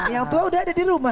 yang tua udah ada di rumah